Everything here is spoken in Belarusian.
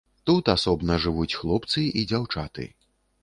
Тут асобна жывуць хлопцы і дзяўчаты.